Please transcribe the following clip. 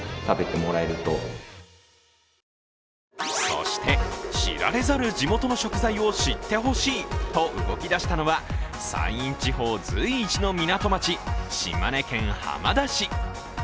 そして、知られざる地元の食材を知ってほしいと動き出したのは、山陰地方随一の港町、島根県浜田市。